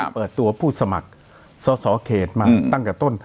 เปิดตัวผู้สมัครสอสอเขตมาตั้งแต่ต้น